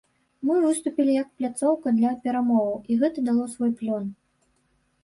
Мы выступілі як пляцоўка для перамоваў, і гэта дало свой плён.